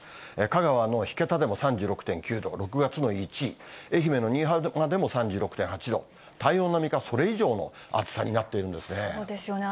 香川の引田でも３６．９度、６月の１位、愛媛の新居浜でも３６．８度、体温並みか、それ以上の暑さになっているんですね。